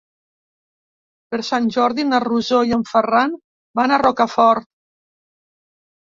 Per Sant Jordi na Rosó i en Ferran van a Rocafort.